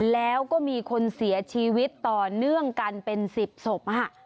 แล้วก็มีคนเสียชีวิตต่อเนื่องกันเป็น๑๐ศพ